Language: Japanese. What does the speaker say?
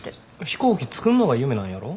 飛行機作んのが夢なんやろ？